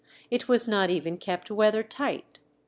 It was not even kept weather tight.